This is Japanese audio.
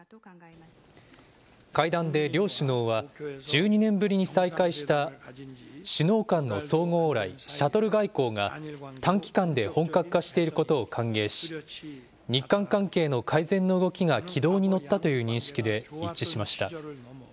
会談で両首脳は、１２年ぶりに再開した首脳間の相互往来、シャトル外交が短期間で本格化していることを歓迎し、日韓関係の改善の動きが軌道に乗ったという認識で一致しました。